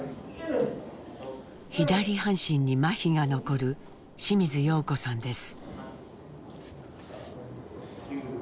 左半身にまひが残る清水葉子さんです。